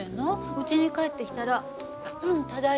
うちに帰ってきたら「ただいま」でしょ。